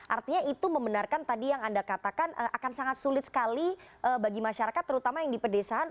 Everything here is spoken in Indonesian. artinya itu membenarkan tadi yang anda katakan akan sangat sulit sekali bagi masyarakat terutama yang di pedesaan